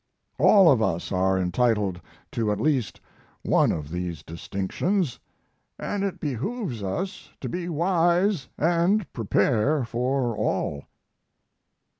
All of us are entitled to at least one of these distinctions, and it behooves us to be wise and prepare for all."